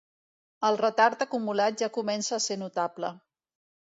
El retard acumulat ja comença a ser notable.